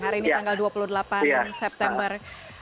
hari ini tanggal dua puluh delapan september